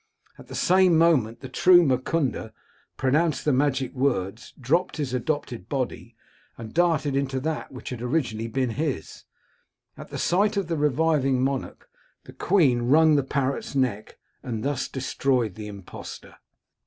At the same moment the true Mukunda pronounced the magic words, dropped his adopted body, and darted into that which had originally been his. At the sight of the reviving monarch, the queen wrung the parrot's neck, and thus destroyed the impostor."